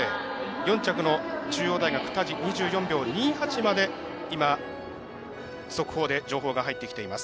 ４着の中央大学、田路２４秒２８まで今、速報で情報が入ってきています。